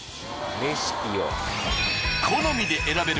レシピを。